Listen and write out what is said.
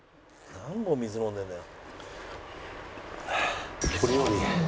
「何本水飲んでるんだよ」